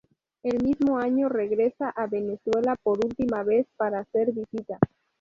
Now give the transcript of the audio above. El mismo año regresa a Venezuela por última vez para hacer visita.